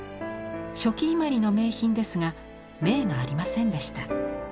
初期伊万里の名品ですが銘がありませんでした。